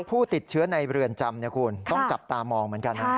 ผู้ติดเชื้อในเรือนจำคุณต้องจับตามองเหมือนกันนะ